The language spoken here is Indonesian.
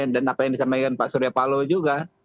dan apa yang disampaikan pak suryapalo juga